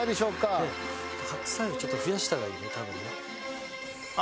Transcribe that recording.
白菜をちょっと増やした方がいいね多分ね。